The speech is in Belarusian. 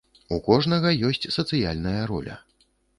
У кожнага ёсць сацыяльная роля.